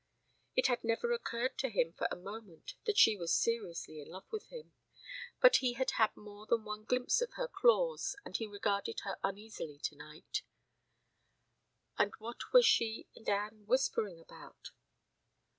It had never occurred to him for a moment that she was seriously in love with him, but he had had more than one glimpse of her claws and he regarded her uneasily tonight. And what were she and Anne whispering about?